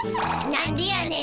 何でやねん。